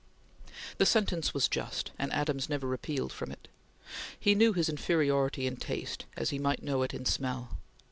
The sentence was just and Adams never appealed from it. He knew his inferiority in taste as he might know it in smell.